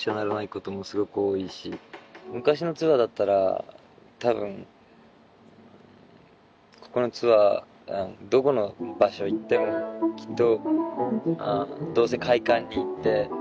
昔のツアーだったら多分ここのツアーどこの場所行ってもきっと。